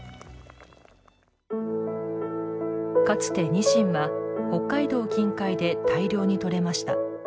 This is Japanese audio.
かつて、にしんは北海道近海で大量に取れました。